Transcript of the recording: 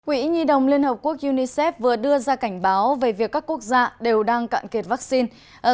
quỹ nhi đồng liên hợp quốc unicef vừa đưa ra cảnh báo về việc các quốc gia đều đang cạn kiệt vaccine